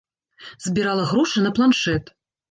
Збірала грошы на планшэт.